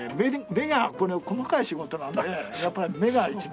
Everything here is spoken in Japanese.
細かい仕事なのでやっぱり目が一番。